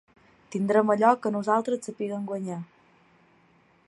Tindrem allò que nosaltres sapiguem guanyar.